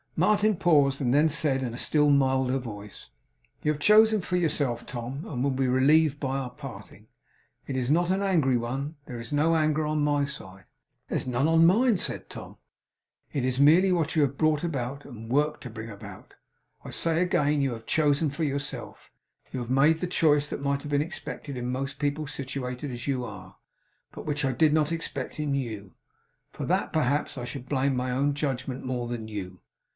Martin paused, and then said in a still milder voice: 'You have chosen for yourself, Tom, and will be relieved by our parting. It is not an angry one. There is no anger on my side ' 'There is none on mine,' said Tom. ' It is merely what you have brought about, and worked to bring about. I say again, you have chosen for yourself. You have made the choice that might have been expected in most people situated as you are, but which I did not expect in you. For that, perhaps, I should blame my own judgment more than you.